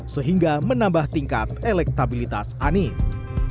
sehingga menambah tingkat elektabilitas anies